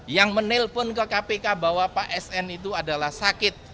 yang menelpon ke kpk bahwa pak sn itu adalah sakit